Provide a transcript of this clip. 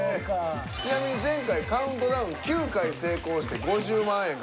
ちなみに前回カウントダウン９回成功して５０万円獲得しました。